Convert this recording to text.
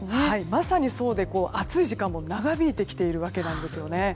まさにそうで暑い時間も長引いてきているわけなんです。